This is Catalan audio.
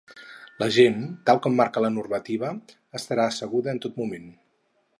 La gent, tal com marca la normativa, estarà asseguda en tot moment.